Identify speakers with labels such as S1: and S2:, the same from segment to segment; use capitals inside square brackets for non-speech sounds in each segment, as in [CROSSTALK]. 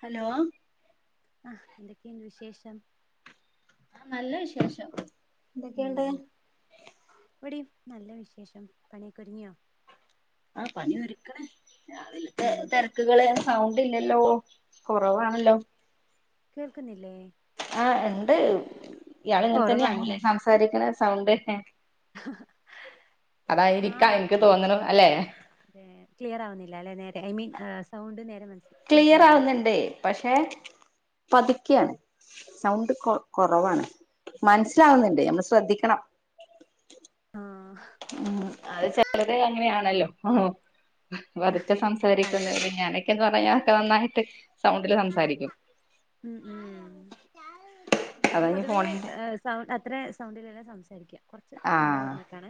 S1: Hello
S2: ഹാ എന്തൊക്കെണ്ട് വിശേഷം
S1: ആ നല്ല വിശേഷം
S2: ഉം
S1: എന്തൊക്കെയുണ്ട്
S2: ഇവിടിം നല്ല വിശേഷം പണിയക്കൊരുങ്ങിയോ
S1: ആഹ് പണി ഒരുക്കണ് രാവിൽത്തെ
S2: ഉം
S1: തെർക്ക് ത്ത്കളെ സൗണ്ടില്ലല്ലോ കുറവാണല്ലോ
S2: കേൾക്കുന്നില്ലേ
S1: ആഹ് ഉണ്ട് ഇയാളിങ്ങൻതന്നേണ് ലേ
S2: കൊറവാണ്ല്ലേ
S1: സംസാരിക്കണ സൗണ്ട് അതായിരിക്കാം ഇൻക്കു തോന്നണു അല്ലെ
S2: അതെ ക്ലിയർ ആവുന്നില്ലല്ലെ നേരെ ഐ മീൻ സൗണ്ട് നേരെ മൻസി-
S1: ക്ലിയറാവുന്നുണ്ട് പക്ഷെ പതുക്കെയാണ് സൗണ്ട് കൊ കുറവാണ് മനസ്സിലാവുന്നുണ്ട് നമ്മൾ ശ്രദ്ധിക്കണം
S2: ആഹ്
S1: യം അത് ചെലർത് അങ്ങനെയാണല്ലോ പതുക്കെ
S2: അതെ
S1: സംസാരിക്കുന്നത്
S2: അതെ
S1: ഞാനൊക്കെന്ന് പറഞ്ഞയ്ഞ്ഞാ നന്നായിട്ട് സൗണ്ടില് സംസാരിക്കും
S2: ഉം ഉം ഞാൻ
S1: അതാ ഈ
S2: പൊതുവെ
S1: ഫോണിന്റെ
S2: സൗണ്ട് അത്രെ സൗണ്ടിലെല്ലാ സംസാരിക്കുക കൊർച്ച് സൗണ്ട്
S1: ആഹ്
S2: കൊർഞ്ഞിട്ടാണ്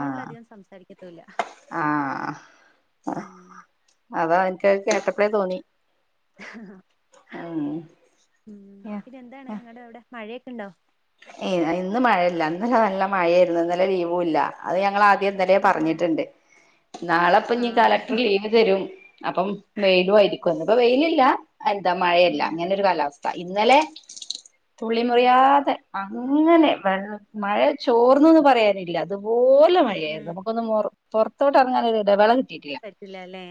S1: ആഹ്
S2: സംസാരിക്കത്തൂല്ല
S1: ആഹ്
S2: ഉം
S1: അതാ ഇൻക്കത് കേട്ടപ്പളേ തോന്നി ഉം
S2: ഉം പിന്നെന്താണ്? ഇങ്ങടെ അവ്ടെ മഴയൊക്കെ ണ്ടോ?
S1: ഏയ് ഇന്ന് മഴല്ല. ഇന്നലെ നല്ല മഴേര്ന്നു. ഇന്നലെ ലീവൂല്ല. അത് ഞങ്ങൾ ആദ്യേ ഇന്നലെ
S2: ആഹ് ആഹ്
S1: പറഞ്ഞിട്ട്ണ്ട് നാളെപ്പഞ്ഞ്
S2: ആഹ്
S1: കലക്ടർ ലീവ് തരും. അപ്പം വെയിലു ആയിരിക്കും. ഇന്ന് ഇപ്പ വെയിലില്ല എന്താ മഴയല്ല
S2: ഉം
S1: അങ്ങനൊരു കാലാവസ് ഥ. ഇന്നലെ തുളി
S2: ആഹ്
S1: മുറിയാതെ അങ്ങനെ. വെൾ മഴ ചോർന്നൂന്ന് പറയാനില്ല അതുപോലെ
S2: ഉം ഉം
S1: മഴയായിരുന്നു നമുക്കൊന്ന് മുർ പുറത്തോട്ട് ന്തറങ്ങാനൊരിടവേള കി
S2: പറ്റില്ല അല്ലേ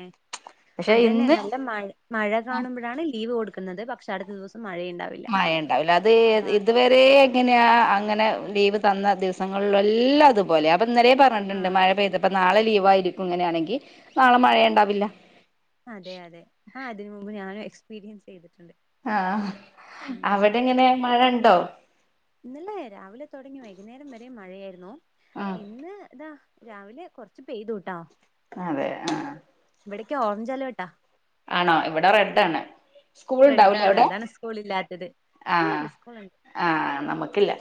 S2: അതന്നെ
S1: ഇന്ന്
S2: നല്ല മഴ മഴ കാണുമ്പഴാണ് ലീവ് കൊടുക്കുന്നത്. പക്ഷെ അടുത്ത ദിവസം മഴയുണ്ടാവില്ല.
S1: മഴ ണ്ടാവില്ല. അത്
S2: അതാണ്
S1: ഇത് വ രേ എങ്ങനെയാ അങ്ങനെ ലീവ് തന്ന ദിവസങ്ങൾലെല്ലാം അതുപോലെ അപ്പൊ ഇന്നലേ പർ ഞ്ഞിട്ട്ണ്ട്. മഴ
S2: ആഹ്
S1: പെയ്തത്പ്പ നാളെ ലീവായിരിക്കും ഇങ്ങനെയാണെങ്കി നാളെ മഴയണ്ടാവില്ല.
S2: അതെ അതെ ആഹ് ഇതിന് മുമ്പ് ഞാനും എക്സ്പീരിയൻസ് ചെയ്തിട്ട്ണ്ട്.
S1: ആഹ് അവിടെങ്ങനെ മഴ ണ്ടോ?
S2: ഇന്നലേ രാവിലെ തൊടങ്ങി വൈകുന്നേരം വരെ മഴയായിരുന്നു.
S1: ആഹ്
S2: ഇന്ന് ദാ രാവിലെ കൊർച്ച് പെയ്തൂട്ടോ
S1: അതെ ആഹ്
S2: ഇവടക്കെ ഓറഞ്ച് അലേർട്ടാ
S1: ആണോ? ഇവിടെ റെഡാണ്.
S2: റെഡ്
S1: സ്കൂൾണ്ടാവുല്ലേ
S2: ആണ്
S1: അവ്ടെ?
S2: അതാണ് സ്കൂൾ ഇല്ലാത്തത്
S1: ആഹ്
S2: സ്കൂളുണ്ട് സ്കൂളുണ്ട്
S1: ആഹ് നമുക്കില്ല.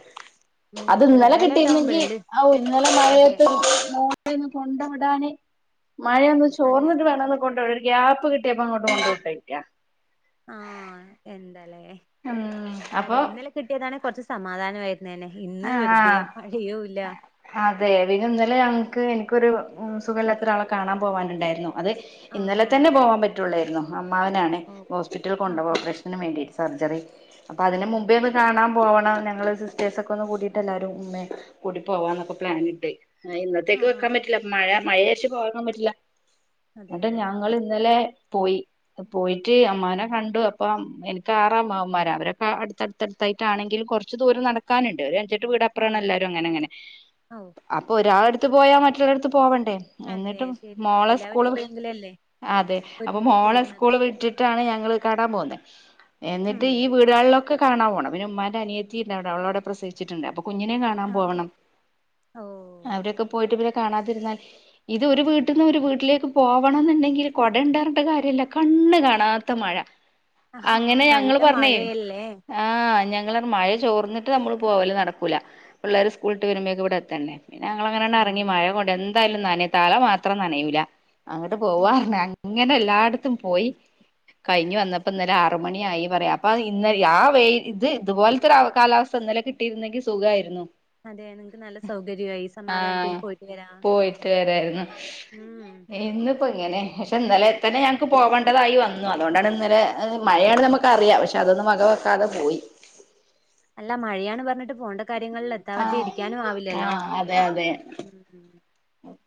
S2: ഉം
S1: അത് ഇന്നലെ
S2: റെഡ് അലേർട്ട്
S1: കിട്ടിയിരുന്നെങ്കി
S2: ആവുമ്പോഴല്ലേ
S1: ഔ ഇന്നലെ
S2: അതെ
S1: മഴയത്ത് ളെ ഒന്ന് കൊണ്ട് വിടാൻ മഴയൊന്ന്
S2: അതെ
S1: ചോർന്നിട്ട്
S2: അതെ
S1: വേണൊന്ന് കൊണ്ട് വിടാ ഒരു ഗ്യാപ്പ് കി ട്ട്യേപ്പം ങ്ങട്ട് കൊണ്ട് വിട്ടേയ്ക്കാ.
S2: ആഹ് എന്ത ലേ.
S1: ഉം അപ്പൊ
S2: കിട്ടിയതാണെ കുറച്ച് സമാധാനമായിരുന്നേനെ. ഇന്ന് വെറുതെ,
S1: ആഹ്
S2: മഴയൂല്ല.
S1: അതെ. പിന്നെന്നലെ ഞങ്ങക്ക് ഇൻക്കൊരു സുഖല്ലാത്തൊരാളെ കാണാൻ പോവാനുണ്ടായിരുന്നു അത്
S2: ആഹ്
S1: ഇന്നലെ
S2: ആഹ്
S1: തന്നെ പോവാൻ പറ്റൊള്ളായിരുന്നു. അമ്മാവനാണെ.
S2: ഓ
S1: ഹോസ്പിറ്റൽ
S2: ആ
S1: കൊണ്ടോവ.
S2: ആ
S1: ഓപ്പറേഷ നുംവേണ്ടിട്ട് സർജറി അപ്പൊ
S2: ഓ
S1: അതിന് മുമ്പേ ഒന്ന് കാണാൻ പോവണം ഞങ്ങൾ സിസ്റ്റേസൊക് കൊന്ന് കൂടീട്ട് എല്ലാരും ഉമ്മേം കൂടി പോവാന്നൊക്കെ പ്ലാനിട്ട്.
S2: ആ
S1: ഇന്നത്തേക്ക്
S2: ആ
S1: വെക്കാൻ പറ്റു ല്ല. മഴേര്ച്ച് പോവാതിക്കാൻ പറ്റില്ല.
S2: അതെ
S1: ന്നട്ട്
S2: അതെ
S1: ഞങ്ങൾ ഇന്നലെ പോയി. പോയിട്ട് അമ്മാവനെ കണ്ടു. അപ്പം എനിക്ക് ആറമ്മാവന്മാര. അവരൊക്ക അടുത്തടു ത്തടുത്തായിട്ടാണെങ്കിലും കുറച്ച് ദൂരം നടക്കാനുണ്ട്. ഒരു അഞ്ചെട്ട്
S2: ആ
S1: വീടപ്പുറമാണ് എല്ലാവരും അങ്ങനെ അങ്ങനെ.
S2: ഓ
S1: അപ്പൊ ഒരാളട്ത്ത് പോയാ മറ്റുള്ളോരട്ത്ത് പോവണ്ടേ?
S2: അതെ
S1: എന്നിട്ട്
S2: ശരിയാണ്
S1: മോളെ
S2: എല്ലാവരും
S1: സ്കൂള് വ്,
S2: എപ്പോഴെങ്കിലുമല്ലേ
S1: അതെ. അപ്പൊ
S2: ഒരുമിച്ച്
S1: മോളെ
S2: കൂടുന്നതും
S1: സ്കൂള് വിട്ടി ട്ടാണ് ഞങ്ങള് കാണാൻ പോവുന്നെ.
S2: ഉം
S1: എന്നിട്ട് ഈ വീ ട്ടിലാൾലൊക്കെ കാണാ പോണം. പിന്നെ ഉമ്മാന്റെ അനിയത്തിയിണ്ടവിടെ. അവളവിടെ പ്രസവിച്ചിട്ട്ണ്ട്. അപ്പൊ കുഞ്ഞിനെം കാൺ ണാൻ
S2: ആ
S1: പോവണം.
S2: ആ ഓ
S1: അവിടൊക്കെ പോയിട്ട് പിന്നെ കാണാതിരുന്നാൽ ഇത് ഒര് വീട്ട്ന്ന് ഒര് വീട്ട്ലേക്ക് പോവണംന്ന്ണ്ടെങ്കില് കൊടണ്ട് പർഞ്ഞ്ട്ട് കാര്യല്ല കണ്ണ് കാണാ ത്ത മഴ.
S2: ആഹാ
S1: അങ്ങനെ
S2: നല്ല
S1: ഞങ്ങള് പർഞ്ഞെ
S2: മഴയല്ലേ
S1: ആഹ് ഞങ്ങളർഞ്ഞ് മഴ ചോർന്ന്ട്ട് നമ്മള് പോവല് നടക്കൂല. പിള്ളേര് സ്കൂള്‌ട്ട്‌ വരുമ്പോഴേക്ക് ഇവടെ എത്തണ്ടേ. പിന്നെ ഞങ്ങള്
S2: ഉം
S1: അങ്ങനെങ്ങാണ്ടറങ്ങി. മഴ കൊണ്ട് എന്തായാലും നനയും. തല മാത്രം നനയൂല. അങ്ങട്ട്
S2: ഉം
S1: പോവാർഞ്
S2: ഉം
S1: അങ്ങനെ എല്ലാട്ത്തും പോയി. കഴിഞ്ഞു വന്നപ്പം ഇന്നലെ ആറ് മണി ആയി പറയാ. അപ്പ ഇന്ന് ആ വെയി ഇത് ഇതുപോലത്തൊരു കാലാവസ് ഥ ന്നലെ കിട്ടിയിരുന്നെങ്കി സുഖായിരുന്നു.
S2: അതെ നിങ്ങക്ക് നല്ല സൗകര്യമായി സമാധാനത്തിൽ
S1: ആഹ്
S2: പോയിട്ട് വരാം
S1: പോയിട്ട് വരായിരുന്നു.
S2: ഉം
S1: ഇന്ന് പ്പ ഇങ്ങനെ. ക്ഷെ ഇന്നലെത്തന്നെ ഞങ്ങക്ക് പോവണ്ടതായി വ ഉം അതോണ്ടാണ് ഇന്നലെ മഴയാണ്ന്ന് നമ്മക്കറിയാ പക്ഷെ അതൊന്നും വക വെക്കാതെ പോയി
S2: അല്ല മയാണ് പറഞ്ഞ്ട്ട് പോണ്ട കാര്യങ്ങള്ല് എത്താവത്ത്
S1: ആഹ്
S2: ഇരിക്യാനും ആവില്ലല്ലോ
S1: ആഹ്
S2: ഉം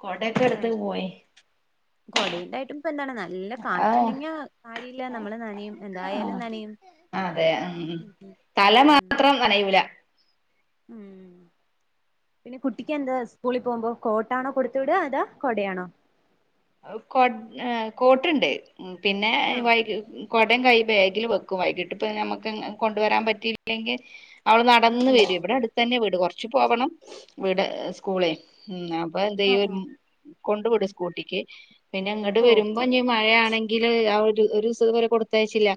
S1: കൊടയൊക്കെട്ത്ത് പോയി
S2: കൊടേൻണ്ടായിട്ടുംപ്പന്താണ് ല്ല
S1: ആഹ്
S2: കാറ്റ്ണ്ടെങ്കി കാര്യല്ല നമ്മള് നനയും എന്തായാലും
S1: ആഹ്
S2: നനയും ഉം
S1: [UNINTELLIGIBLE]
S2: ഉം
S1: തല
S2: ഉം.
S1: മാത്രം കയ്യൂല
S2: ഉം പിന്നെ കുട്ടിക്കെന്താ സ്കൂളി പോവുമ്പോ കോട്ടാണോ കൊട്‌ത്ത്‌വിട അതാ കൊടയാണോ
S1: കൊട് കോട്ട്ണ്ട് പിന്നെ
S2: ആഹ്
S1: വൈക് കൊടിം കൈ ബാഗില് വെക്കും വൈകിട്ട് പ്പ നമ്മക്ക് കൊണ്ടുവരാൻ പറ്റില്ലെങ്കി അവള്
S2: ഉം
S1: നടന്ന്‌
S2: ഉം
S1: വെരും ഇവടെ അട്ത്തെന്നെ വീട് കൊർച്ച് പോവണം വീട് സ്കൂളെ ഉം അപ്പൊ
S2: ആഹ്
S1: എന്തെയ്യും കൊണ്ട് വിടും സ്കൂട്ടിക്ക് പിന്നെങ്ങട്ട്
S2: ആഹ്
S1: വെരുമ്പഞ്ഞി മഴയാണെങ്കില് അ ഒരു ഒരുസം ത്പോലെ കൊടുത്തയച്ചില്ല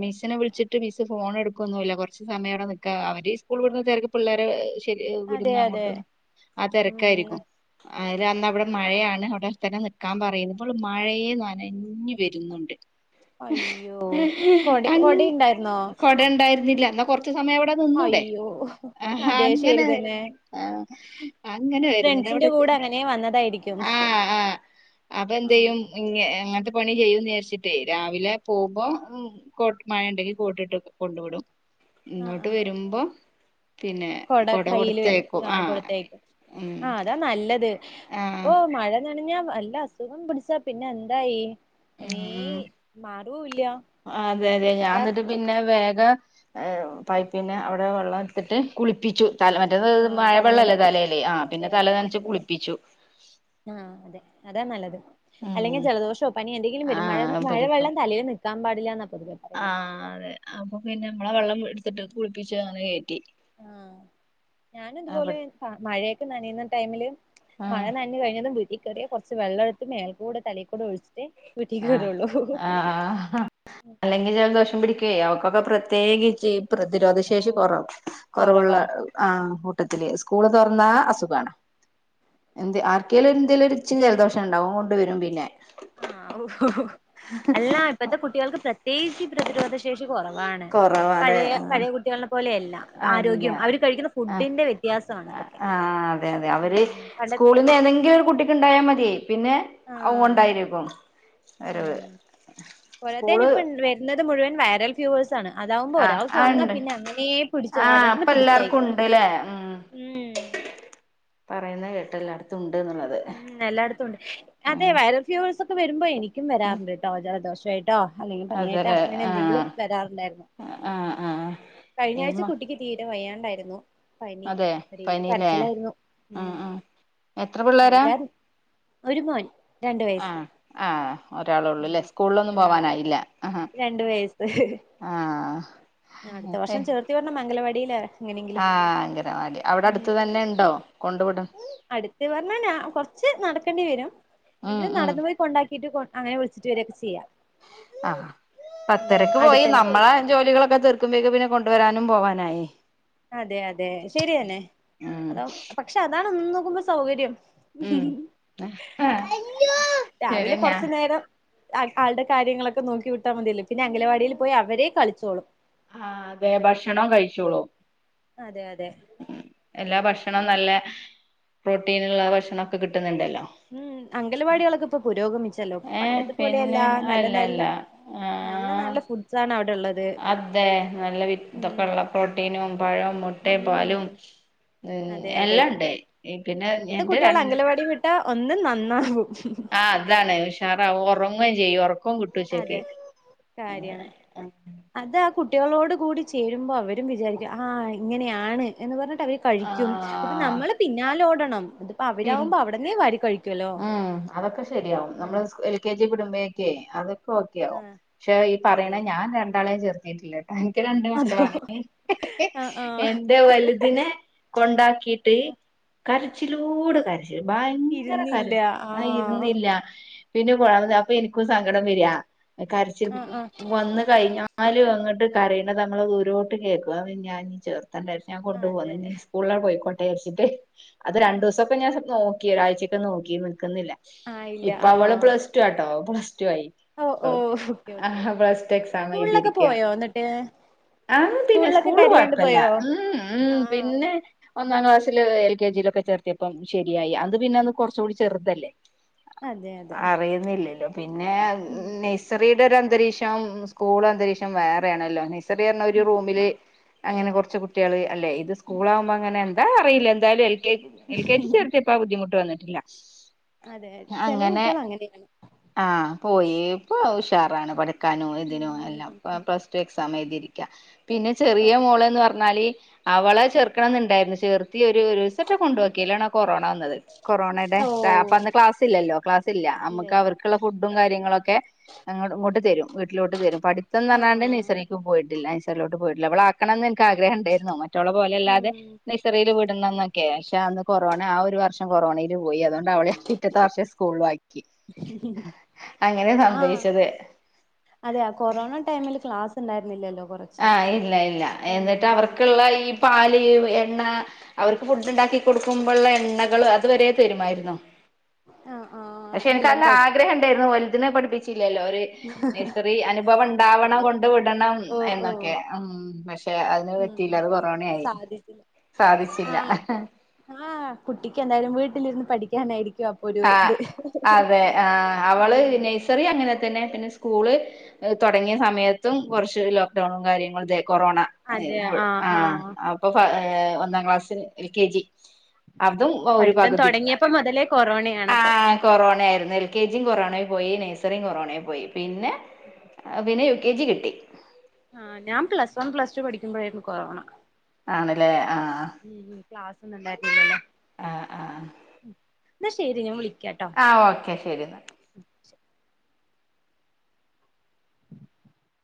S1: മിസ്സിനെ വിൾച്ച്ട്ട് മിസ്സ് ഫോണെടുക്കുന്നുല്ല കൊർച്ച് സമയാടെ നിക്ക അവര് ഈ സ്കൂള് വിട്ന്ന തെര്ക്ക് പിള്ളേരെ ശെരി
S2: അതെ അതെ
S1: വ്ട്ന്നങ്ങോട്ടും ആ
S2: ഉം
S1: തെരക്കായിരിക്കും ആരാ അന്നവടെ മഴയാണ് അവടെ തന്നെ നി ക്കാൻ പറയ് ന്ന് വള് മഴേ നനഞ്ഞ് വെരുന്നുണ്ട്
S2: അയ്യോ കൊട
S1: അന്ന്
S2: കൊടയുണ്ടായിരുന്നോ
S1: കൊടണ്ടായിരുന്നില്ല ന്നാ കൊർച്ച് സമയവടെ നിന്നൂടെ
S2: അയ്യോ
S1: ആ
S2: അതെ ശരി
S1: അങ്ങനെ
S2: തന്നെ
S1: ആ അങ്ങനെ വെര്ന്ന്ണ്ട്
S2: ഫ്രണ്ട്സിന്റെ
S1: അവടക്ക്
S2: കൂടെ അങ്ങനെ വന്നതായിരിക്കും
S1: ആ ആ
S2: ആഹ്
S1: അപ്പെന്തെയ്യും ഇ അങ്ങൻത്തെ പണി ചെയ്യുംചാരിച്ചിട്ടേ രാവിലെ പോകുമ്പോ കോട്ട് മഴണ്ടെങ്കി കോട്ടിട്ട് കൊണ്ട് വിടും
S2: ആഹ്
S1: ഇങ്ങട്ട്
S2: ആഹ്
S1: വെരുമ്പോ
S2: കൊട കയ്യില് വെ ആ കൊട്ത്തയക്കും
S1: ഉം
S2: ആ അതാ നല്ലത്
S1: ആ
S2: ഓ മഴ നനഞ്ഞാ വല്ല അസുഖം പിടിച്ചാ പിന്നെന്തായി ഇങ്ങനെ
S1: ഉം
S2: മാറൂല്ല
S1: അതെ അതെ ഞാന്ന്ട്ട് പിന്നെ വേഗം പൈപ്പിന്റെ അവടെ വെള്ളട്ത്തിട്ട് കുളിപ്പിച്ചു തലന റ്റേത്
S2: ആഹ്
S1: മഴവെള്ളല്ലേ
S2: തലവേദന
S1: തലേല് ആ പിന്നെ തല നനച്ച് കുളിപ്പിച്ചു
S2: ആ അതെ അതാ നല്ലത് അല്ലെങ്കി
S1: ഉം
S2: ജലദോഷോ പനിയോ എന്തെങ്കിലും വെരും മഴ
S1: ആഹ്
S2: മഴവെള്ളം തലേൽ നിക് ക്കാ പാടില്ലാന്നാ പൊതുവെ
S1: ആ
S2: പറയാ
S1: അതെ അപ്പൊ പിന്നെ മ്മളെ വെള്ളം ട്ത്ത്ട്ട് കുൾപ്പിച്ചങ്ങനെ കേറ്റി
S2: ആ ഞാനും
S1: അവി
S2: ഇതുപോലെ മഴയൊക്കെ നനയുന്ന ടൈമില് മഴ
S1: ആഹ്
S2: ന ഞ് കഴിഞ്ഞതും വീട്ടി കേറിയ കൊർച്ച് വെള്ളം ട്ത്ത് മേൽക്കൂടെ തലേകൂടെ ഒഴിച്ചിട്ട്
S1: ആഹ്
S2: വീട്ടികേറൊള്ളു
S1: ൽദോഷം പിടിക്ക്യേ അവക്കൊക്കെ പ്രത്യേകിച്ചീ പ്രതിരോധ
S2: ഓ
S1: ശേഷി കൊർവ കൊർവ്ള്ള
S2: കൊറവാ
S1: ആ കൂട്ടത്തില് സ്കൂള് തൊർന്ന അസുഖാണ് എന്ത് ആർക്കെലും എന്തേലും ച്ചിരി ജലദോഷണ്ടാവും ങ്ങോണ്ട് വെരും പിന്നെ
S2: ആ ഓ ഓ അല്ല ഇപ്പത്തെ കുട്ടികൾക്ക് പ്രത്യേകിച്ച് പ്രതിരോധശേ ശേഷി കൊറവാണ്
S1: കൊറവാല്ലേ
S2: പഴേ
S1: ആഹ്
S2: പഴേ കുട്ടികൾനെ പോലെയല്ല
S1: അല്ല
S2: ആരോഗ്യം അവര് കഴിക്കുന്ന
S1: ആഹ്
S2: ഫുഡിന്റെ വ്യ ത്യാസാണ് അതൊക്കെ ഉം പണ്ട
S1: ത് ഏതെങ്കിലും ഒരു കുട്ടിക്ക് ണ്ടായാ മതിയേ പിന്നെ
S2: ആഹ്
S1: അത്ങ്ങോണ്ടായിരിക്കും വെരവ് സ്കൂള്
S2: ന്നത് മുഴുവൻ വയരൽ ഫ്യൂവേഴ്സാണ് അതാവുമ്പോ
S1: ആഹ്
S2: ഒരാൾക്ക്
S1: ആ
S2: വന്നാ
S1: ഉണ്ട്
S2: പിന്നെ അങ്ങനെ പിടിച്ച്
S1: ആഹ്
S2: വടർന്ന്
S1: ഇപ്പൊ
S2: പിടിച്ചായി
S1: എല്ലാർക്കും ഉണ്ട്ല്ലേ
S2: ഉം
S1: പറയുന്നത് കേട്ടല്ലോ ഉണ്ട്ന്നുള്ളത്
S2: ഉം എല്ലായിടത്തും ഉണ്ട് അതെ വൈറൽ ഫ്യവേഴ്സൊക്കെ വെരുമ്പോ എനിക്കും വെരാറുണ്ട് ട്ടോ ജലദോഷായിട്ട് ട്ടോ അല്ലെങ്കിൽ പനിയായിട്ടോ
S1: അതെല്ലേ
S2: അങ്ങനെ എന്തെങ്കിലും
S1: ആഹ്
S2: വരാറുണ്ടായിരുന്നു
S1: ആഹ് ആഹ്
S2: കഴിഞ്ഞ ആഴ്ച്ച
S1: ഏമ
S2: കുട്ടിക്ക് തീരെ വയ്യാണ്ടായിരുന്നു പനി
S1: അതെ
S2: ഒരേ
S1: പനില്ലേ
S2: കരച്ചിലായിരുന്നു ഉം
S1: ആഹ് ആഹ് എത്ര പിള്ളേരാ
S2: [UNINTELLIGIBLE] ഒരു മോൻ. രണ്ട് വയസ്സ്
S1: ആഹ് ആഹ് ഒരാളേ ഉള്ളൂല്ലേ
S2: ഉം
S1: സ്കൂളിലൊന്നും
S2: ഒരാളാ
S1: പോവാനായില്ലാ? ആഹ്
S2: രണ്ട് വയസ്സ്
S1: ആഹ്
S2: അടുത്ത വർഷം ചേർത്തി വിടണം അംഗലവാടിയില് എങ്ങനെങ്കിലും
S1: ആഹ് അംഗനവാടി അവിടെ
S2: ഉം
S1: അടുത്ത് തന്നെ ഉണ്ടോ? കൊണ്ടുവിടും.
S2: [UNINTELLIGIBLE] പറഞ്ഞാ കുറച്ച് നടക്കേണ്ടി വരും
S1: ഉം
S2: എങ്കിലും
S1: ഉം
S2: നടന്ന് പോയി കൊണ്ടാ ക്കീറ്റ് അങ്ങനെ വിളിച്ചിട്ട് വരൊക്കെ ചെയ്യാ.
S1: ആഹ് പത്തരക്ക് പോയി
S2: അടുത്തന്നെ
S1: നമ്മളെ ജോലികളൊക്കെ തീർ ക്കുമ്പേക്കും പിന്നെ കൊണ്ടുവരാനും പോവാനായി.
S2: അതെ അതെ ശരിയന്നെ
S1: ഉം
S2: അതാ പക്ഷേ അതാണ് ഒന്ന് നോക്കുമ്പോ സൗകര്യം.
S1: ഉം ശരി
S2: രാവിലെ
S1: ഞാ
S2: കൊറച്ച് നോരം ആൾ ആളുടെ കാര്യങ്ങളൊക്കെ നോക്കി വിട്ടാൽ മതിയല്ലോ പിന്നെ അംഗലവാടിയിൽ പോയി അവര് കളിച്ചോളും.
S1: ആഹ് അതെ ഭക്ഷണം കഴിച്ചോളും.
S2: അതെ അതെ
S1: എല്ലാ ഭക്ഷണവും
S2: ഉം
S1: നല്ല പ്രോട്ടീനുള്ള ഭക്ഷണൊക്കെ കിട്ടുന്നുണ്ടല്ലോ?
S2: ഉം അംഗലവാടികളൊക്കെ ഇപ്പോ പുരോഗമിച്ചല്ലോ
S1: ഏഹ്
S2: പണ്ടത്തെ പോലെയല്ല
S1: പിന്നെ
S2: നല്ല
S1: അല്ല അല്ല
S2: നല്ല നല്ല
S1: ആഹ്
S2: നല്ല ഫുഡ്സ് ആണ് അവിടെ ഉള്ളത്.
S1: അതെ നല്ല വി
S2: ഉം
S1: ഇതൊക്കെ ഉള്ള പ്രോട്ടീനും പഴവും മുട്ടയും പാലും
S2: ഉം
S1: ഉം
S2: അതെ അതെ
S1: എല്ലാം ഇണ്ട്.
S2: ഇപ്പത്തെ കുട്ടികൾ അംഗലവാടി വിട്ടാ ഒന്ന് നന്നാവും.
S1: ആഹ് അതാണ് ഉഷാറാവും ഉറങ്ങേ ചെയ്യും ഉറക്കം കിട്ടും ഉച്ചക്ക്.
S2: അതെ കാര്യാണ് അത് ആ കുട്ടികളോട് കൂടി ചേരുമ്പോ അവരും വിചാരിക്കും ആഹ് ഇങ്ങനെയാണ് എന്ന് പറഞ്ഞ് അവരു
S1: ആ
S2: കഴിക്കും ഇത് നമ്മള് പിന്നാലെ ഓടണം.
S1: പി
S2: അവരാവുമ്പോ അവിടന്നേ വാരി കഴിക്കുവല്ലോ
S1: ഉം അതൊക്കെ ശരിയാവും
S2: ഉം
S1: നമ്മള് എൽ കെ ജി
S2: ഉം
S1: വിടുമ്പേ ക്കേ അതൊക്കെ ഓക്കെയാവും
S2: ആഹ്
S1: പക്ഷേ ഈ
S2: അതെ
S1: പറയണ ഞാൻ രണ്ടാളെയും ചേർത്തിട്ടില്ല എനിക്ക് രണ്ട്
S2: അതോ
S1: മക്കളാണ്
S2: ആഹ് ആഹ്
S1: എന്റെ വലുതിനെ കൊണ്ടാക്കിയിട്ട് കരച്ചിലോട് കര ച്ചില് ഭയങ്കര കരച്ചിൽ ആഹ് ഇരുന്നില്ല. പിന്നെ [UNINTELLIGIBLE] അപ്പോ എനിക്കും സങ്കടം വരുവാ കരച്ചില്
S2: ആഹ് ആഹ്
S1: വന്ന് കഴിഞ്ഞാ ലും അങ്ങട്ട് കരയണത് നമ്മൾ ദൂരോട്ട് കേക്കും അത് ഞാനീ ചേർത്താണ്ടായി. ഞാൻ കൊണ്ടു
S2: അതെ
S1: [UNINTELLIGIBLE] ഇനി സ്കൂളിലാ പോയിക്കോട്ടേ വിചാരിച്ചിട്ട് അത് രണ്ടു ദിവസം
S2: ആഹ്
S1: നോക്കി അയച്ചൊക്കെ നോക്കി നിക്കുന്നില്ല
S2: ആയില്ല
S1: ഇപ്പോ അവള്
S2: ആഹ്
S1: പ്ലസ് ടു ആട്ടോ പ്ലസ് ടു ആയി.
S2: ഓ
S1: പ്പ
S2: ഓ ഓക്കെ ഓക്കെ
S1: ആഹ് പ്ലസ് റ്റു എക്സാം
S2: സ്കൂളിലൊക്കെ
S1: എഴുതിയിരിക്കാ.
S2: പോയോ എന്നിട്ട്
S1: ആഹ് പിന്നെ
S2: സ്കൂളിലൊക്കെ
S1: സ്കൂള്
S2: കരയാണ്ട്
S1: കൊഴപ്പല്ല
S2: പോയോ
S1: ഉം ഉം
S2: ആഹ്
S1: പിന്നെ ഒന്നാം ക്ലാസ്സില് എൽ കെ ജിയിലൊക്കെ ചേർത്തിയപ്പം ശെരിയായി അന്ന് പിന്നെന്ന് കുറച്ച് കൂടി ചെറ്തല്ലേ.
S2: അതെ അതെ
S1: അറിയുന്നില്ലല്ലോ പിന്നെയാ
S2: ഉം
S1: നേ ഴ്സറിടെ ഒര് അന്തരീക്ഷം സ്കൂൾ അന്തരീക്ഷം വേറെ ആണല്ലോ നേഴ്സറി പറഞ്ഞാ ഒര്
S2: ഉം
S1: റൂമില് അങ്ങനെ കൊറച്ച് കുട്ടികള് അല്ലേ ഇത് സ്കൂളാകുമ്പോ അങ്ങനെ എന്താ അറിയില്ല എന്തായാലും L K L K G
S2: ഉം
S1: ചേർത്തി യപ്പ ആ ബുദ്ധിമുട്ട് വന്നിട്ടില്ല.
S2: അതെ ചെല
S1: അങ്ങനെ
S2: കുട്ടികൾ അങ്ങനെയാണ്.
S1: ആഹ് പോയി ഇപ്പോ ഉഷാറാണ് പഠിക്കാനും ഇതിനു എല്ലാം പ
S2: ഉം
S1: പ്ലസ് ടു എക്സാം എഴുതിയിരിക്കാ പിന്നെ
S2: ഓ
S1: ചെറിയ മോള്ന്ന് പറഞ്ഞാല് അവളെ ചെർക്കണന്നിണ്ടായിരുന്നു ചേർത്തി ഒരു ഒരുസാറ്റേ കൊണ്ടോക്കി [UNINTELLIGIBLE] കൊറോണ വന്നത്. കൊറോണേടെ
S2: ഓ
S1: അപ്പോ അന്ന് ക്ലാസ് ഇല്ലല്ലോ ക്ലാസ്സില്ല
S2: ഇല്ല
S1: അമ്മക്ക്
S2: ഇല്ല
S1: അവർക്കുള്ള ഫുഡും കാര്യങ്ങളൊക്കെ ങ്ങട് ഇങ്ങോട്ട് തെരും വീട്ടിലോട്ട് തെരും പഠിത്തന്ന് പറഞ്ഞാണ്ട്
S2: ആഹ്
S1: നേഴ്സറീക്ക്‌ പോയിട്ടില്ല നേഴ്സറിലോട്ട് പോയില്ല അവളാ ക്കണന്ന് ഇൻക്ക് ആഗ്രഹം ഇണ്ടാരുന്നതാണ്. മറ്റോളെ പോലെ അല്ലാതെ
S2: ഉം
S1: നേഴ്സറില് വിടണന്നൊക്കെ പക്ഷേ അന്ന് കൊറോണ ആ ഒര് വർഷം കൊറോണയിലും പോയി അതോണ്ട് അവളെ പിറ്റത്തെ വർഷം സ്കൂളിലും ആക്കി. അങ്ങനെ
S2: ആഹ്
S1: സംഭവിച്ചത്.
S2: അതെ കൊറോണ ടൈമില് ക്ലാസ് ഉണ്ടായിരുന്നില്ലല്ലോ കൊറെ.
S1: ആഹ് ഇല്ല ഇല്ല. എന്നിട്ട് അവർക്ക്‌ള്ള ഈ പാല് എണ്ണ അവർക്ക് ഫുഡ് ഉണ്ടാക്കി കൊടുക്കുമ്പോളുള്ള എണ്ണകള് അതുവരെ തെരുമായിരുന്നു.
S2: ആഹ് ആ.
S1: പക്ഷെ എനക്ക് നല്ല ആഗ്രഹം ഉണ്ടായിരുന്നു വല്തിനെ പഠിപ്പിച്ചില്ലല്ലോര്. നഴ്സറി അനുഭവം ഇണ്ടാവണം,
S2: അതെ
S1: കൊണ്ട് വിടണം,
S2: ഓ ഓ
S1: എന്നൊക്കെ. ഉം പ ക്ഷെ അതിന് പറ്റിയില്ല,
S2: ഉം
S1: അത് കൊറോണയായി
S2: സാധിച്ചില്ല
S1: സാധിച്ചില്ല.
S2: ആഹ് ആഹ് കുട്ടിക്ക് എന്തായാലും വീട്ടിലിരുന്ന് പഠിക്കാനായിരിക്കും അബ്
S1: ആഹ് അതെ ആ അവള്
S2: ഉം
S1: നെയ് സെറി അനെങ്ങനെ തന്നെ. പിന്നെ സ്കൂള് തുടങ്ങിയ സമയത്തും കൊർച്ച് ലോ ക് ഡൗണും കാര്യങ്ങളും തേ കൊറോണ
S2: അതെ ആഹ്
S1: ആ
S2: ആഹ്
S1: അപ് ഇപ്പൊ ഫ ഏ ഒന്നാംക്ലാസ് എൽ കെ ജി. അതും ഒരു
S2: പഠിത്തം
S1: പകുതി
S2: തുടങ്ങിയപ്പോ മുതലേ കൊറോണയാണപ്പൊ.
S1: കൊറോണയായിരുന്നു. എൽ കെ ജിം
S2: ഉം
S1: കൊറോണേയി പോയി. നെഴ്സറിയും കൊറോണേയി പോയി. പിന്നെ, പിന്നെ യു കെ ജി കിട്ടി.
S2: ആഹ് ഞാൻ പ്ലസ് വൺ പ്ലസ് ടു പഠിക്കുമ്പോയിരുന്നു കൊറോണ.
S1: ആണല്ലേ ആഹ്.
S2: ഉം ക്ലാസൊന്നും ഉണ്ടായിരുന്നില്ലല്ലോ.
S1: ആ ആ
S2: ഉം ന്നാ ശെരി ഞാൻ വിളിക്കാട്ടോ.
S1: ആഹ് ഓക്കെ ശെരി ന്നാ.